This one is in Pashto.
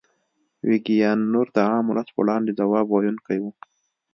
ویګیان نور د عام ولس په وړاندې ځواب ویونکي وو.